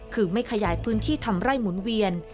คือไม่ขยายพื้นที่ทำไร่หมุนเวียน